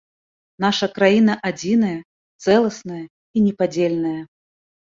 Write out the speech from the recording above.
Наша краіна адзіная, цэласная і непадзельная.